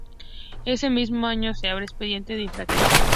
Ese mismo año se abre expediente de infracción.